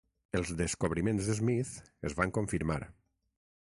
Els descobriments de Smith es van confirmar.